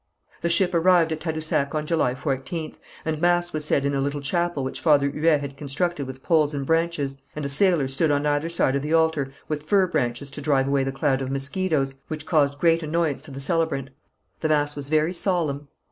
The ship arrived at Tadousac on July 14th, and mass was said in a little chapel which Father Huet had constructed with poles and branches, and a sailor stood on either side of the altar with fir branches to drive away the cloud of mosquitoes which caused great annoyance to the celebrant. The mass was very solemn.